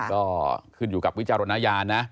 ก็ขึ้นอยู่กับวิจารณญาณนะ